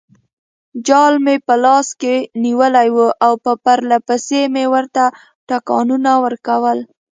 جال مې په لاس کې نیولی وو او پرلپسې مې ورته ټکانونه ورکول.